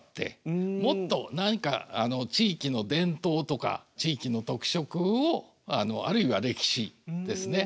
もっと何か地域の伝統とか地域の特色をあるいは歴史ですね。